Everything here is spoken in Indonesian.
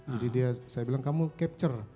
jadi dia saya bilang kamu capture